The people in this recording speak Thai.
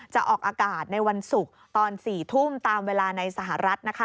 จะออกอากาศในวันศุกร์ตอน๔ทุ่มตามเวลาในสหรัฐนะคะ